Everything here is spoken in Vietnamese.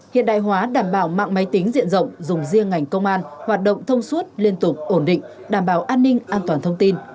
hiện đại hóa đảm bảo mạng máy tính diện rộng dùng riêng ngành công an hoạt động thông suốt liên tục ổn định đảm bảo an ninh an toàn thông tin